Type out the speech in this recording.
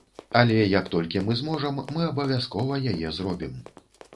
Але як толькі мы зможам, мы абавязкова яе зробім.